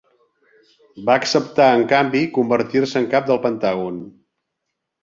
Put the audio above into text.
Va acceptar en canvi convertir-se en cap del Pentàgon.